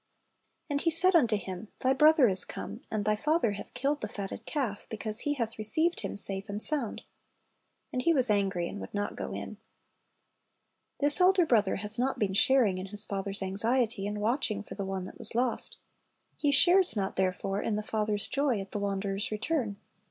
And he said unto him, Thy brother is come; and thy father hath killed the fatted calf, because he hath received him safe and sound. And he was angry, and would not go in." This elder brother has not been sharing in his father's anxiety and watching for the one that was lost. He shares not, therefore, in the father's joy at the wanderer's return.